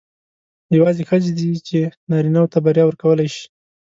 یوازې ښځې دي چې نارینه وو ته بریا ورکولای شي.